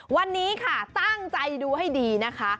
วันนี้ค่ะตั้งใจดูให้ดีนะคะ